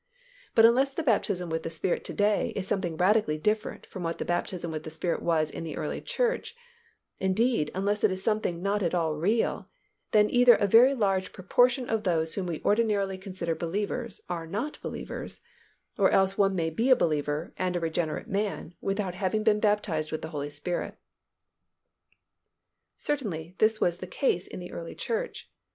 But unless the baptism with the Spirit to day is something radically different from what the baptism with the Spirit was in the early church, indeed unless it is something not at all real, then either a very large proportion of those whom we ordinarily consider believers are not believers, or else one may be a believer and a regenerate man without having been baptized with the Holy Spirit. Certainly, this was the case in the early church.